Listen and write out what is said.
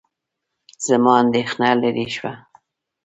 زما اندېښنه لیرې شوه.